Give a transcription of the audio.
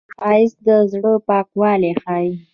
ښایست د زړه پاکوالی ښيي